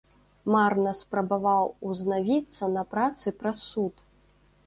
Марна спрабаваў узнавіцца на працы праз суд.